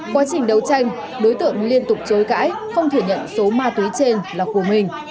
quá trình đấu tranh đối tượng liên tục chối cãi không thừa nhận số ma túy trên là của mình